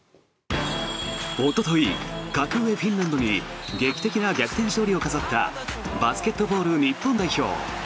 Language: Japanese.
おととい、格上フィンランドに劇的な逆転勝利を飾ったバスケットボール日本代表。